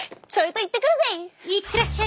行ってらっしゃい！